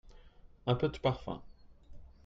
Un peu de parfum.